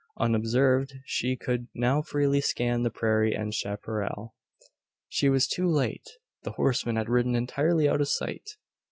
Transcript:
Unobserved she could now freely scan the prairie and chapparal. She was too late. The horseman had ridden entirely out of sight.